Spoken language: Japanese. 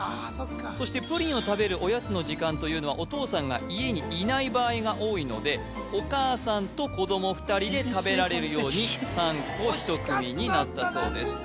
そしてプリンを食べるおやつの時間というのはお父さんが家にいない場合が多いのでお母さんと子ども２人で食べられるように３個１組になったそうです